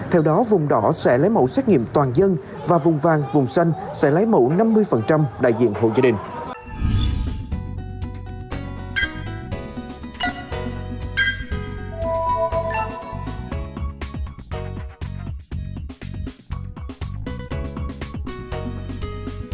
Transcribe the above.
theo đó vùng đỏ sẽ lấy mẫu xét nghiệm toàn dân và vùng vàng vùng xanh sẽ lấy mẫu năm mươi đại diện hộ gia đình